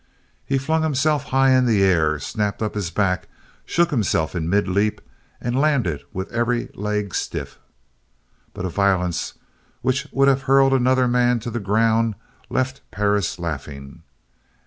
He flung himself high in the air, snapped up his back, shook himself in mid leap, and landed with every leg stiff. But a violence which would have hurled another man to the ground left Perris laughing.